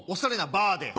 バーで？